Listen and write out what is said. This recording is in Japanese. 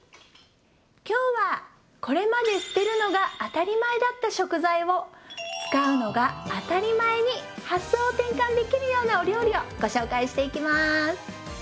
今日はこれまで捨てるのが当たり前だった食材を使うのが当たり前に発想を転換できるようなお料理をご紹介していきます！